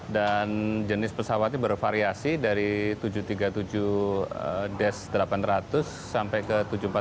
dan jenis pesawatnya bervariasi dari tujuh ratus tiga puluh tujuh delapan ratus sampai ke tujuh ratus empat puluh tujuh empat ratus